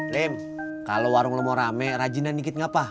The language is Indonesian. lim kalo warung lo mau rame rajinan dikit ngapa